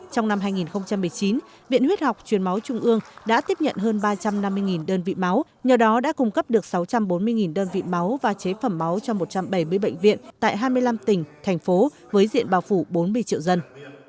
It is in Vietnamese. trong năm hai nghìn một mươi chín viện huyết học truyền máu trung ương đã tiếp nhận hơn ba trăm năm mươi đơn vị máu nhờ đó đã cung cấp được sáu trăm bốn mươi đơn vị máu và chế phẩm máu cho một trăm bảy mươi bệnh viện tại hai mươi năm tỉnh thành phố với diện bảo phủ bốn mươi triệu dân